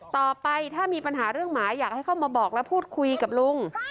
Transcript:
ต่อไปถ้ามีปัญหาเรื่องหมาอยากให้เข้ามาบอกและพูดคุยกับลุง